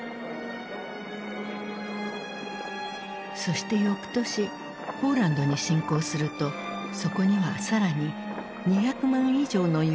そしてよくとしポーランドに侵攻するとそこには更に２００万以上のユダヤ人がいた。